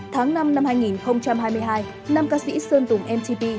tháng năm năm hai nghìn hai mươi hai năm ca sĩ sơn tùng mtp